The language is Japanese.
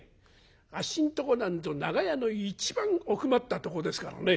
あっしのとこなんぞ長屋の一番奥まったとこですからね